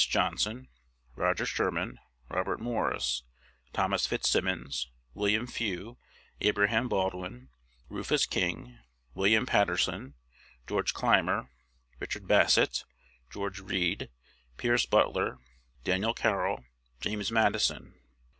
Johnson, Roger Sherman, Robert Morris, Thomas Fitzsimmons, William Few, Abraham Baldwin, Rufus King, William Patterson, George Clymer, Richard Bassett, George Read, Pierce Butler, Daniel Carrol, James Madison.